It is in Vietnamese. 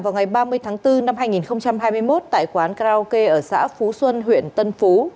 vào ngày ba mươi tháng bốn năm hai nghìn hai mươi một tại quán karaoke ở xã phú xuân huyện tân phú